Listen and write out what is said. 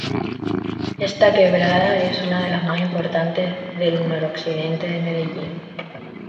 Esta quebrada es una de las más importantes del noroccidente de Medellín.